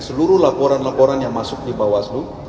seluruh laporan laporan yang masuk di bawaslu